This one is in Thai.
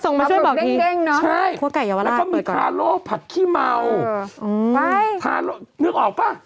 นึกออกปะ